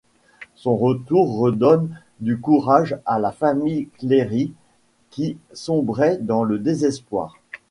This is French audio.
Son retour redonne du courage à la famille Cleary, qui sombrait dans le désespoir.